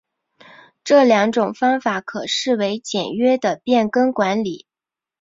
这两种方法可视为简约的变更管理。